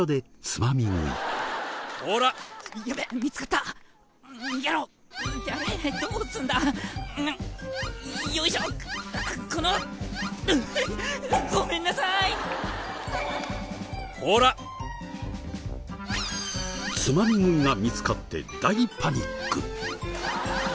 つまみ食いが見つかって大パニック！